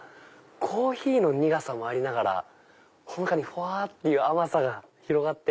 コーヒーの苦さもありながらほのかにふわっていう甘さが広がって。